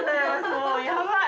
もうやばい！